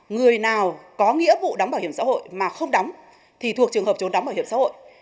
người nào có nghĩa vụ đóng bảo hiểm xã hội mà không đóng thì thuộc trường hợp trốn đóng bảo hiểm xã hội